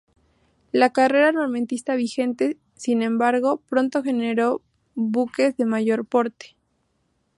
La carrera armamentista vigente, sin embargo, pronto generó buques de mayor porte.